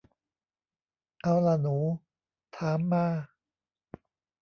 เอาล่ะหนู ถามมา